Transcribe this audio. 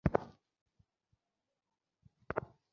এ পথে অস্বাভাবিক ছোট বড় গর্ত পড়ে।